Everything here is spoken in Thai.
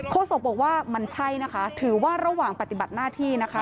โศกบอกว่ามันใช่นะคะถือว่าระหว่างปฏิบัติหน้าที่นะคะ